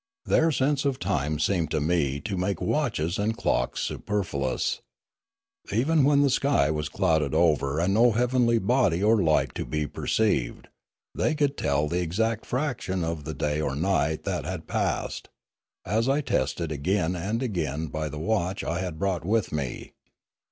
Their sense of time seemed to me to make watches and clocks superfluous. Even when the sky was clouded over and no heavenly body or light to be perceived, they could tell the exact fraction of the day or night that had passed, as I tested again and again by the watch I had brought with me.